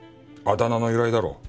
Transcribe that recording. あだ名の由来だろ。